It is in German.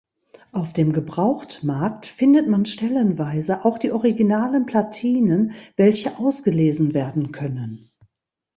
Auf dem Gebrauchtmarkt findet man stellenweise auch die originalen Platinen, welche ausgelesen werden können.